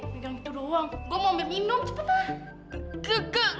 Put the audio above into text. pegang gitu doang gue mau ambil minum cepet lah